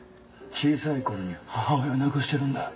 小さい頃に母親を亡くしてるんだ。